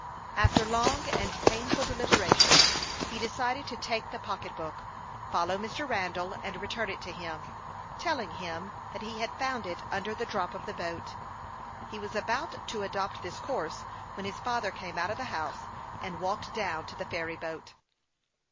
After long and painful deliberation, he decided to take the pocketbook, follow Mr. Ilandall, and return it to him, telling him that he had found it under the drop of the boat. He was about to adopt this course when his father came out of the house, and walked down to the ferry boat.